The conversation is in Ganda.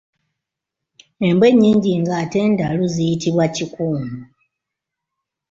Embwa ennyingi ng’ate ndalu ziyitibwa Kikuuno.